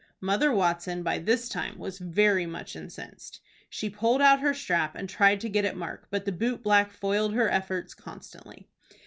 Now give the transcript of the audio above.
Mother Watson by this time was very much incensed. She pulled out her strap, and tried to get at Mark, but the boot black foiled her efforts constantly.